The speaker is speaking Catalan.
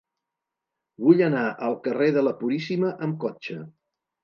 Vull anar al carrer de la Puríssima amb cotxe.